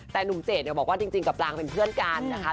แต่หนุ่มเจดเนี่ยบอกว่าจริงกับปลางเป็นเพื่อนกันนะคะ